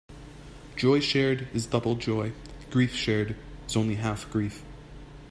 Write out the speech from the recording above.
Joy shared is double joy; grief shared is only half grief.